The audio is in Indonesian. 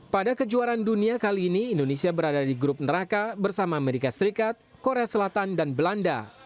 pada kejuaraan dunia kali ini indonesia berada di grup neraka bersama amerika serikat korea selatan dan belanda